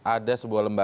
ada sebuah lembaga